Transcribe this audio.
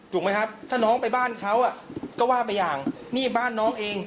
ถูกไหมครับถ้าน้องไปบ้านเขาก็ว่าไปอย่างนี่บ้านน้องเอง